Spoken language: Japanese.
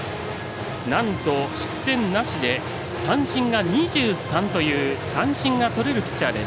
なんと、失点なしで三振が２３という三振がとれるピッチャーです。